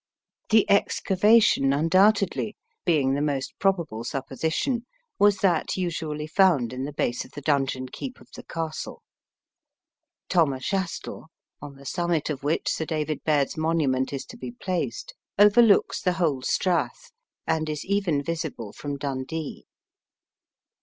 The excavation undoubtedly (being the most probably supposition) was that usually found in the base of the dungeon keep of the castle. Tom a Chastel, on the summit of which Sir David Baird's monument is to be placed, overlooks the whole strath, and is even visible from Dundee."